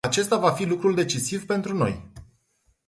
Acesta va fi lucrul decisiv pentru noi.